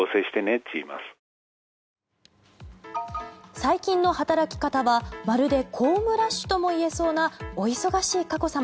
最近の働き方はまるで公務ラッシュとも言えそうなお忙しい佳子さま。